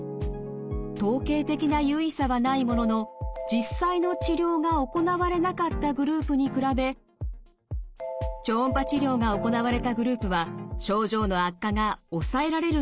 統計的な有意差はないものの実際の治療が行われなかったグループに比べ超音波治療が行われたグループは症状の悪化が抑えられる傾向が見られました。